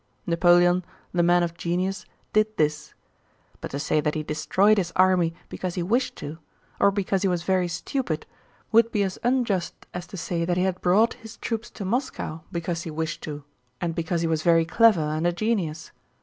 Napoleon, the man of genius, did this! But to say that he destroyed his army because he wished to, or because he was very stupid, would be as unjust as to say that he had brought his troops to Moscow because he wished to and because he was very clever and a genius.